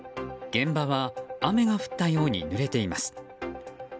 現場は雨が降ったようにぬれています。